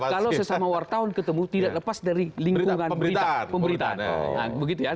kalau sesama wartawan ketemu tidak lepas dari lingkungan pemberitaan